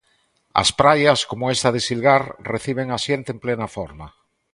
As praias, coma esta de Silgar, reciben a xente en plena forma.